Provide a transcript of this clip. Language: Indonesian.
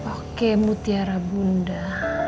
oke mutiara bunda